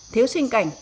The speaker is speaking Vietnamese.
thiếu sinh cảnh